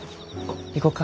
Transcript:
行こっか。